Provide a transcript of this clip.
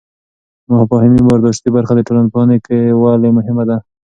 مفاهیمي او برداشتي برخه د ټولنپوهنه کې ولې مهمه ده؟